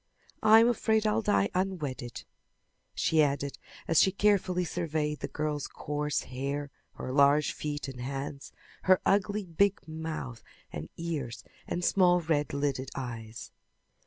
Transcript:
I'm afraid I'll die unwedded," she added as she carefully surveyed the girl's coarse hair, her large feet and hands, her ugly big mouth and ears and small red lidded eyes.